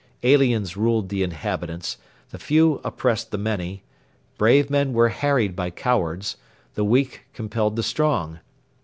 Aliens ruled the inhabitants; the few oppressed the many; brave men were harried by cowards; the weak compelled the strong.